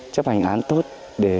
chấp hành án tốt để